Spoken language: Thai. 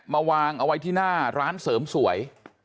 มาวางเอาไว้ที่หน้าร้านเสริมสวย